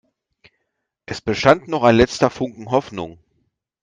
Es bestand noch ein letzter Funken Hoffnung.